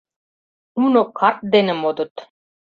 Нуно карт дене модыт.